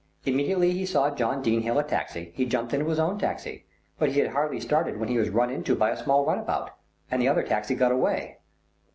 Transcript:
Immediately he saw John Dene hail a taxi, he jumped into his own taxi; but he had hardly started when he was run into by a small runabout, and the other taxi got away."